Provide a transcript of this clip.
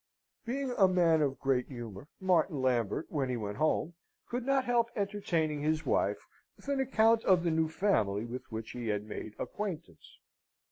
Being a man of great humour, Martin Lambert, when he went home, could not help entertaining his wife with an account of the new family with which he had made acquaintance.